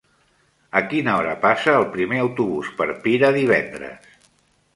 A quina hora passa el primer autobús per Pira divendres?